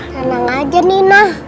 senang aja nina